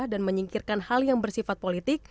dan menyingkirkan hal yang bersifat politik